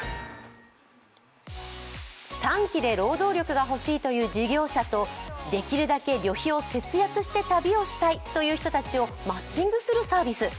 短期で労働力が欲しいという事業者とできるだけ旅費を節約して旅をしたいという人たちをマッチングするサービス。